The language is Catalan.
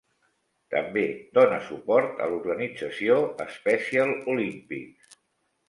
També dona suport a l'organització Special Olympics.